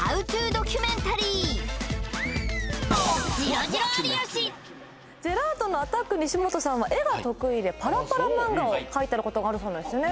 感じしたわジェラードンのアタック西本さんは絵が得意でパラパラ漫画を描いていることがあるそうなんですね